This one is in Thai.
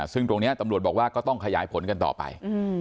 ซึ่งตรงนี้ตำรวจบอกว่าก็ต้องขยายผลกันต่อไป